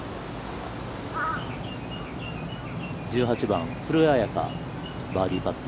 １８番、古江彩佳のバーディーパット。